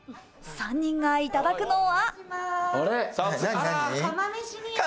３人がいただくのは。